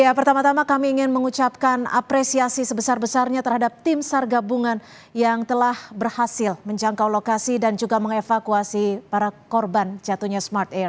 ya pertama tama kami ingin mengucapkan apresiasi sebesar besarnya terhadap tim sar gabungan yang telah berhasil menjangkau lokasi dan juga mengevakuasi para korban jatuhnya smart air